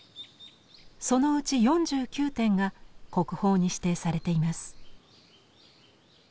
そのうち４９点が国宝に指定されています。